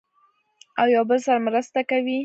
او یو بل سره مرسته کوي.